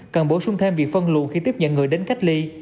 cần bổ sung thêm việc phân luồn khi tiếp nhận người đến cách ly